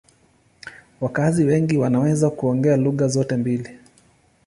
Wakazi wengi wanaweza kuongea lugha zote mbili.